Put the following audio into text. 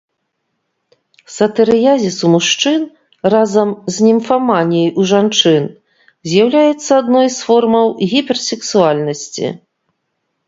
Сатырыязіс у мужчын разам з німфаманіяй у жанчын з'яўляецца адной з формаў гіперсексуальнасці.